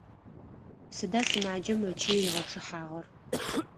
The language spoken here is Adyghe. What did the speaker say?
Сыда сымаджэм ычый ригъэчъыхьагъэр?